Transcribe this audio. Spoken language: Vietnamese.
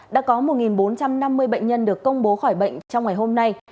đã có một bốn trăm năm mươi bệnh nhân được công bố khỏi bệnh trong ngày hôm nay